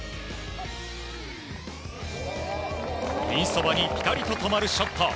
ピンそばにピタリと止まるショット。